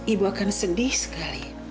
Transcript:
ibu akan sedih sekali